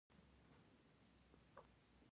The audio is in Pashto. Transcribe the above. کابل د افغانستان یوه مهمه او لویه طبیعي ځانګړتیا ده.